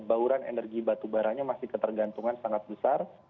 bauran energi batu barat nya masih ketergantungan sangat besar